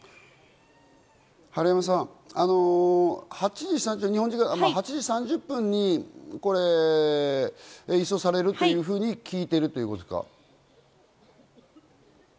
治山さん、日本時間８時３０分に移送されると聞いているということですか？